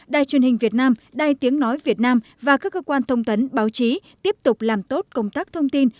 đài truyền hình việt nam đài tiếng nói việt nam và các cơ quan thông tấn báo chí tiếp tục làm tốt công tác thông tin